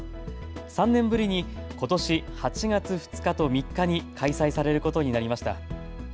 ３年ぶりに、ことし８月２日と３日に開催されることになりました。